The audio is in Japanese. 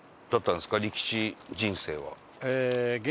力士人生は。